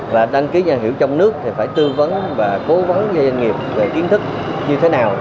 và đăng ký doanh hiệu trong nước thì phải tư vấn và cố vấn doanh nghiệp về kiến thức như thế nào